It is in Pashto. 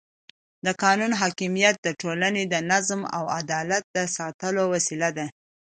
د قانون حاکمیت د ټولنې د نظم او عدالت د ساتلو وسیله ده